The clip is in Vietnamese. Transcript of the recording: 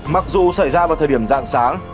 mặc dù xảy ra vào thời điểm dạng sáng